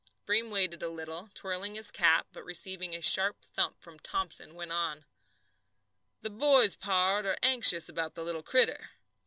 Breem waited a little, twirling his cap, but receiving a sharp thump from Thomson, went on: "The boys, pard, are anxious about the little critter.